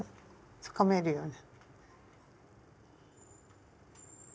つかめるように。